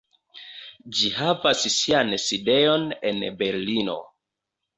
Ĝi havas sian sidejon en Berlino.